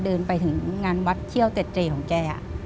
เดินไปถึงงานวัดเที่ยวเต็ดเจของแก